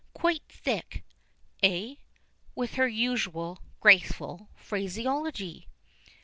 Quite thick, eh?" with her usual graceful phraseology.